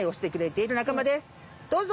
どうぞ！